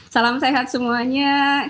salam sehat semuanya